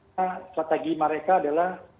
karena strategi mereka adalah